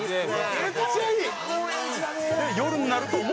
「めっちゃいい！」